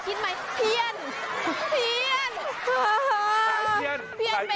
เพื่อนท่านมาใช้เทียนไหม